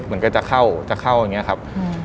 เหมือนกับจะเข้าอย่างนี้ครับ